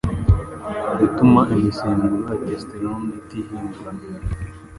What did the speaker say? gutuma imisemburo ya testosterone itihindura